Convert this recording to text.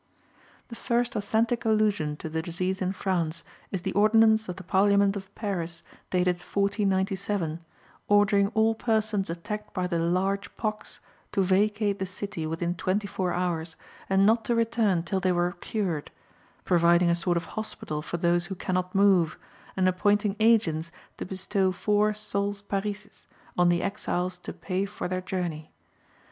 The first authentic allusion to the disease in France is the ordinance of the Parliament of Paris, dated 1497, ordering all persons attacked by the "large pox" to vacate the city within twenty four hours, and not to return till they were cured; providing a sort of hospital for those who can not move; and appointing agents to bestow four sols parisis on the exiles to pay for their journey.